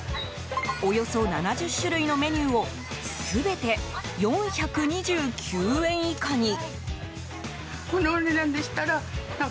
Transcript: およそ７０種類のメニューを全て４２９円以下に。